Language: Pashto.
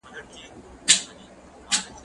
سبزیجات جمع کړه